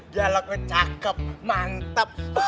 galau kan cakep mantep